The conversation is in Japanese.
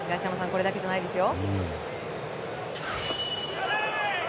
これだけじゃないですよ。